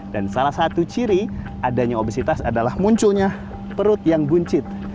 dan salah satu ciri adanya obesitas adalah munculnya perut yang buncit